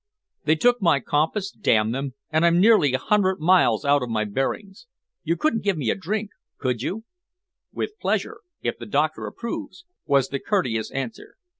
They took my compass, damn them, and I'm nearly a hundred miles out of my bearings. You couldn't give me a drink, could you?" "With pleasure, if the doctor approves," was the courteous answer.